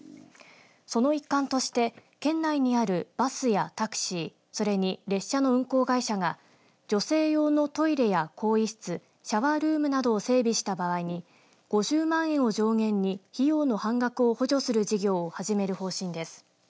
その一環として県内にあるバスやタクシーそれに列車の運行会社が女性用のトイレや更衣室シャワールームなどを整備した場合に５０万円を上限に費用の半額を補助する事業を始める方針です。